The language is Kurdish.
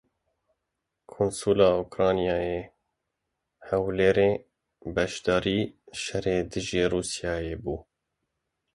Konsulê Ukraynayê yê Hewlêrê beşdarî şerê dijî Rûsyayê bû.